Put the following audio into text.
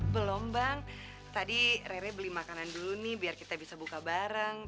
berlombang tadi rere beli makanan dulu nih biar kita bisa buka bareng